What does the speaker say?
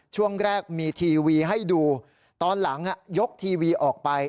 ช่วงแรกมีทีวีให้ดูตอนหลังยกทีวีออกไป